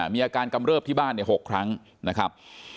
มีอาการกำเริบที่บ้าน๖ครั้งนะครับ